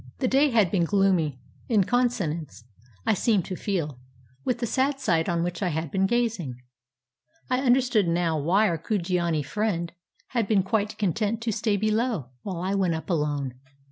The day had been gloomy, in consonance, I seemed to feel, with the sad sight on which I had been gazing. I understood now why our Kujiani friend had been quite content to stay below, while I went up alone.